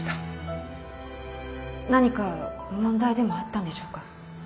何か問題でもあったんでしょうか？